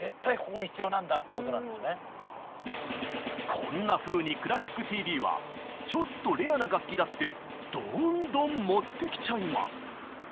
こんなふうに「クラシックＴＶ」はちょっとレアな楽器だってどんどん持ってきちゃいます！